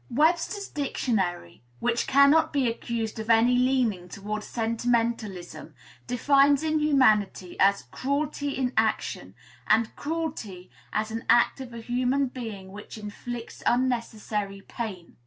Webster's Dictionary, which cannot be accused of any leaning toward sentimentalism, defines "inhumanity" as "cruelty in action;" and "cruelty" as "an act of a human being which inflicts unnecessary pain."